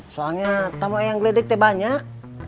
soalnya kamu yang gledek banyak